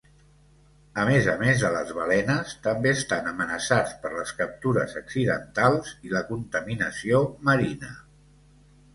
A més a més de les balenes, també estan amenaçats per les captures accidentals i la contaminació marina.